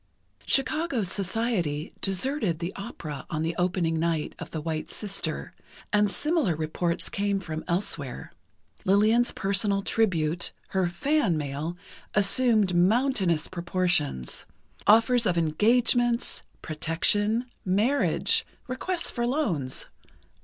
Chicago society deserted the opera on the opening night of "The White Sister," and similar reports came from elsewhere. Lillian's personal tribute—her "fan" mail—assumed mountainous proportions: offers of engagements, protection, marriage, requests for loans